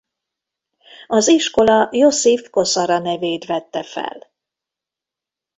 Az iskola Josip Kozara nevét vette fel.